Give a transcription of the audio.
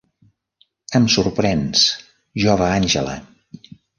Em sorprens, jove Àngela.